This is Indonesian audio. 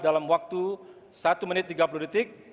dalam waktu satu menit tiga puluh detik